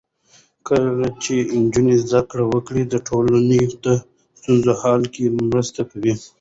کله چې نجونې زده کړه وکړي، د ټولنې د ستونزو حل کې مرسته کوي.